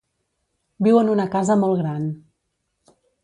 Viu en una casa molt gran.